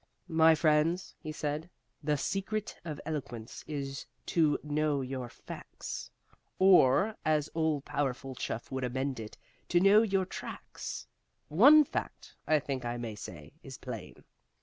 "My friends," he said, "the secret of eloquence is to know your facts or, as the all powerful Chuff would amend it, to know your tracts. One fact, I think I may say, is plain.